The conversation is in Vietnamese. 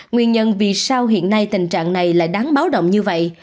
nguyên nhân vì sao hiện nay tình trạng này là đáng báo động như vậy